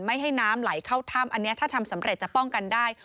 ไม่ให้น้ำไหลเข้าถ้ำอันนี้ถ้าทำสำเร็จจะป้องกันได้